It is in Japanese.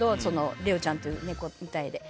レオちゃんという猫みたいで。